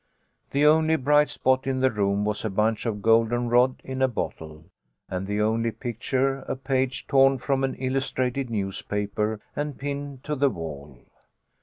The onlv bright spot in the room was a bunch of golden rod in a bottle, 76 THE LITTLE COLONELS HOLIDAYS. and the only picture, a page torn from an illustrated newspaper, and pinned to the wall.